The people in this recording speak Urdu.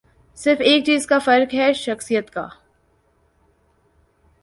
صرف ایک چیز کا فرق ہے، شخصیت کا۔